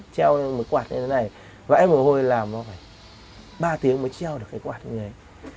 treo một quạt như thế này vẽ mồ hôi làm nó phải ba tiếng mới treo được cái quạt như thế